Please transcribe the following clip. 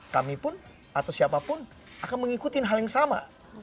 kami pun atau siapapun akan mengikuti hal yang sama